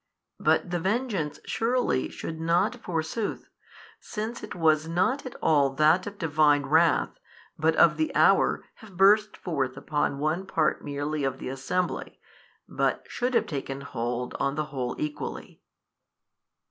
But the vengeance surely should not forsooth, since it was not at all that of Divine wrath, but of the hour, have burst forth upon one part merely of the assembly, but should have taken hold on the whole equally.